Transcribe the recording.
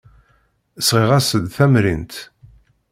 Sɣiɣ-as-d tamrint.